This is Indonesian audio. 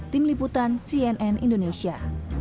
tim liputan cnn indonesia